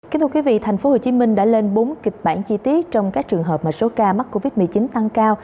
kính thưa quý vị tp hcm đã lên bốn kịch bản chi tiết trong các trường hợp mà số ca mắc covid một mươi chín tăng cao